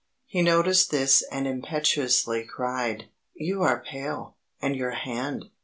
He noticed this and impetuously cried: "You are pale; and your hand!